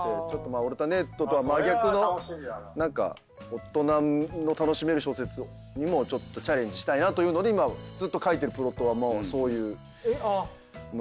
『オルタネート』とは真逆の大人の楽しめる小説にもちょっとチャレンジしたいなというので今ずっと書いてるプロットはそういうので。